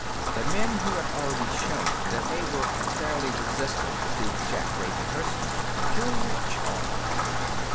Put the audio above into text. The men who had already shown that they were fairly resistant to Jack Ravenhurst's peculiar charm.